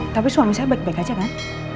tapi suami saya baik baik aja kan